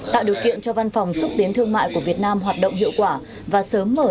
tạo điều kiện cho văn phòng xúc tiến thương mại của việt nam hoạt động hiệu quả và sớm mở